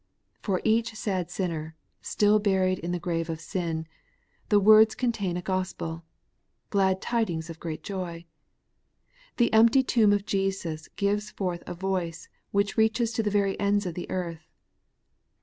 For each sad sinner, still buried in the grave of sin, the words contain a gospel, — ^glad tidings of great joy. The empty tomb of Jesus gives forth a voice which reaches to the very ends of the earth.